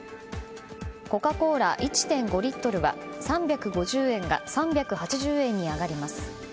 コカ・コーラ１．５リットルは３５０円が３８０円に上がります。